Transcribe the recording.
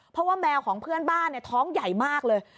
เพราะว่าแมวของเพื่อนบ้านท้องใหญ่มากเลย